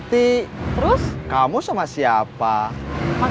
terima kasih mak